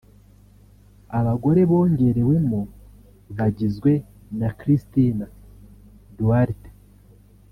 Abagore bongewemo bagizwe na Cristina Duarte